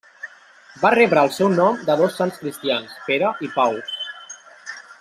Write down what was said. Va rebre el seu nom de dos sants cristians, Pere i Pau.